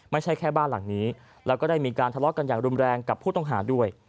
ไม่ใช่แค่บ้านหลังนี้แล้วก็ได้มีการทะเลาะกันอย่างรุนแรงกับผู้ต้องหาด้วย